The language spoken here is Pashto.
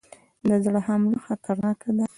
د زړه حمله خطرناکه ده